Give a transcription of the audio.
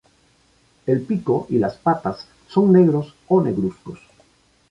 El pico y las patas son negros o negruzcos.